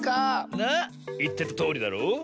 なあいってたとおりだろ。